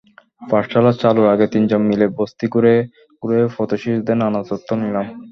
পাঠশালা চালুর আগে তিনজন মিলে বস্তি ঘুরে ঘুরে পথশিশুদের নানা তথ্য নিলাম।